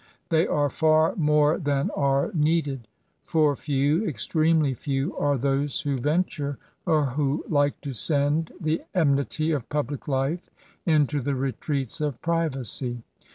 They are far more than are needed ; for few — extremely few — are those who venture or who like to send the enmity of public life into the retreats of privacy.